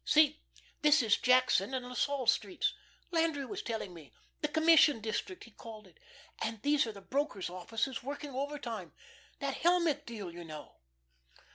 See this is Jackson and La Salle streets. Landry was telling me. The 'commission district,' he called it. And these are the brokers' offices working overtime that Helmick deal, you know."